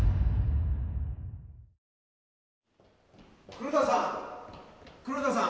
黒田さん！